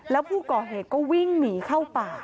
แล้วผู้ก่อเหตุก็วิ่งหนีเข้าป่า